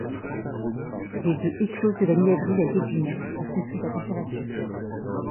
Les œufs éclosent de la mi-avril à début mai, en fonction de la température.